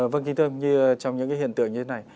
vâng kinh tương trong những cái hiện tượng như thế này